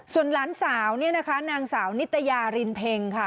ส่วนหลานสาวเนี่ยนะคะนางสาวนิตยารินเพ็งค่ะ